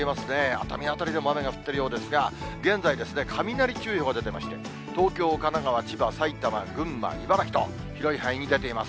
熱海辺りでも雨が降っているようですが、現在ですね、雷注意報が出てまして、東京、神奈川、千葉、埼玉、群馬、茨城と、広い範囲に出ています。